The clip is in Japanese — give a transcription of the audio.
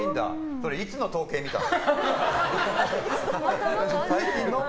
それ、いつの統計見たの？